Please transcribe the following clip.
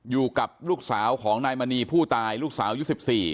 อยู่กับลูกสาวของนายมณีผู้ตายลูกสาวยุค๑๔